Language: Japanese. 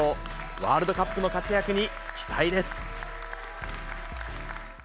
ワールドカップの活躍に期待です。